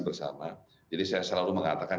bersama jadi saya selalu mengatakan